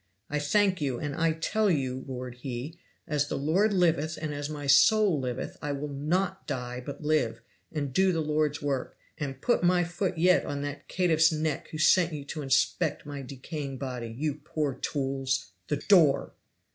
I thank you, and I tell you," roared he, "as the Lord liveth and as my soul liveth, I will not die but live and do the Lord's work and put my foot yet on that caitiff's neck who sent you to inspect my decaying body, you poor tools THE DOOR!"